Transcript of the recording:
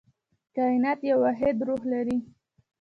کائنات یو واحد روح لري.